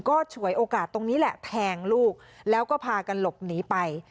ก็ฉวยโอกาสตรงนี้แหละแทงลูกแล้วก็พากันหลบหนีไป